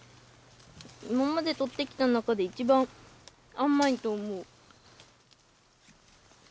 今までとってきた中で一番甘いと思う